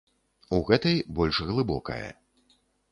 У гэтай больш глыбокае.